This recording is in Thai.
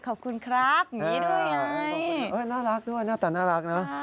ขอบคุณครับอย่างนี้ด้วยไงน่ารักด้วยหน้าตาน่ารักนะ